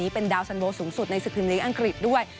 เป็นดาวท์สันเบิ้ลสูงสุดในสถิมิตะอังกฤษด้วย